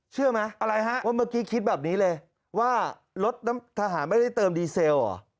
เชื่อไหมอะไรฮะว่าเมื่อกี้คิดแบบนี้เลยว่ารถน้ำทหารไม่ได้เติมดีเซลเหรอ